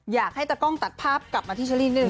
อยากให้ตะกล้องตัดภาพกลับมาที่เชอรี่นึ